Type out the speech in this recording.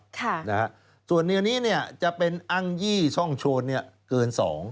ป้นทรัพย์ส่วนอันนี้เนี่ยจะเป็นอ้างยี่ซ่องโจรเนี่ยเกิน๒